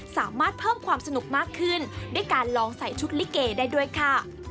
สามารถเพิ่มความสนุกมากขึ้นด้วยการลองใส่ชุดลิเกได้ด้วยค่ะ